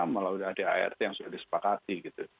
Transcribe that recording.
melalui ada art yang sudah disepakati